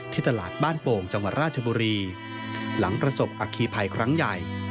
ตลาดบ้านโป่งจังหวัดราชบุรีหลังประสบอัคคีภัยครั้งใหญ่